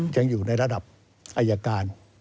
ยังอยู่ในระดับอายการ